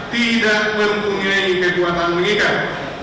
tidak berhubungnya ipr bank jatim